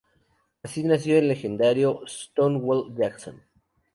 Así nació el legendario "Stonewall" Jackson.